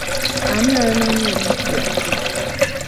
Ani yayonoonye ebintu byaffe?